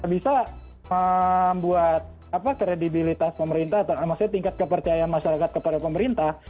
bisa membuat kredibilitas pemerintah maksudnya tingkat kepercayaan masyarakat kepada pemerintah